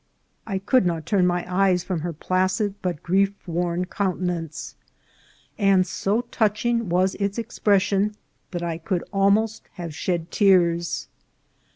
I could not turn my eyes from her placid but grief worn countenance, and so touching was its expression that I could almost have shed tears.